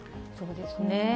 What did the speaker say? そうですね。